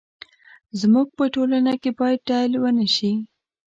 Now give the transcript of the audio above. زموږ په ټولنه کې باید ډيل ونه شي.